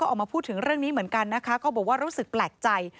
ออกมาพูดถึงเรื่องนี้เหมือนกันนะคะก็บอกว่ารู้สึกแปลกใจ